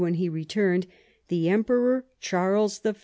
when he return'd, the Emperor Charles V.